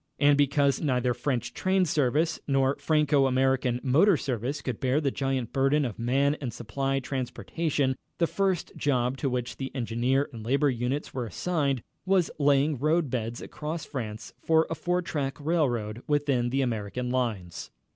And because neither French train service nor Franco American motor service could bear the giant burden of man and supply transportation, the first job to which the engineer and labor units were assigned was laying road beds across France for a four track railroad within the American lines.